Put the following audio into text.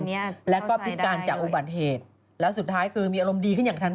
เนี้ยแล้วก็พิการจากอุบัติเหตุแล้วสุดท้ายคือมีอารมณ์ดีขึ้นอย่างทัน